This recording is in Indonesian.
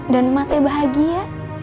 dan emak teh bahagia